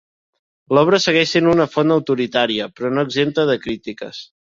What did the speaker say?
L'obra segueix sent una font autoritària, però no exempta de crítiques.